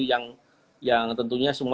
yang tentunya semua